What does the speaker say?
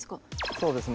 そうですね。